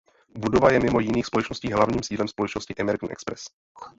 Budova je mimo jiných společností hlavním sídlem společnosti American Express.